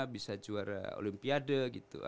bisa juara olimpiade gitu